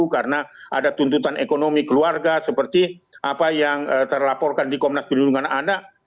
karena ada tuntutan ekonomi keluarga seperti apa yang terlaporkan di komnas pendudukan anak